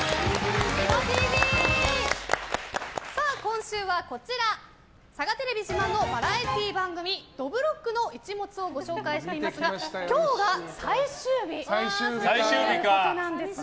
今週はこちらサガテレビ自慢のバラエティー「どぶろっくの一物」をご紹介していますが今日が最終日ということです。